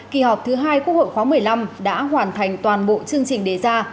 kỳ họp thứ hai quốc hội khóa một mươi năm đã hoàn thành toàn bộ chương trình đề ra